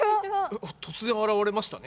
突然現れましたね。